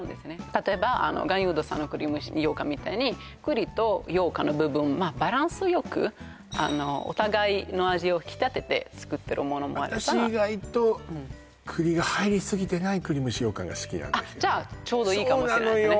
例えば巖邑堂さんの栗蒸し羊羹みたいに栗と羊羹の部分バランスよくお互いの味を引き立てて作ってるものもあれば私意外と栗が入りすぎてない栗蒸し羊羹が好きなんですじゃあちょうどいいかもしれないそうなのよ